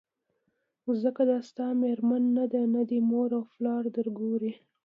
ځکه دا ستا مېرمن نه ده نه دي مور او پلار درګوري